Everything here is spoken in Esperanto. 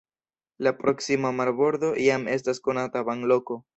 La proksima marbordo jam estas konata banloko.